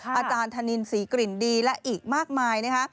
อาจารย์ธนินศรีกลิ่นดีและอีกมากมาย